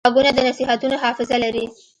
غوږونه د نصیحتونو حافظه لري